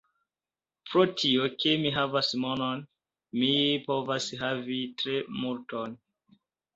Pro tio, ke mi havas monon, mi povas havi tre multon.